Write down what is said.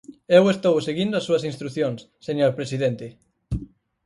Eu estou seguindo as súas instrucións, señor presidente.